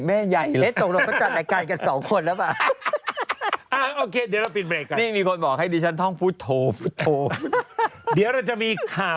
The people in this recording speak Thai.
แต่บางคนบอกว่าพี่พลสรุปแล้วรายการที่พี่พลอาหนกน่ะชั่วสุดจริง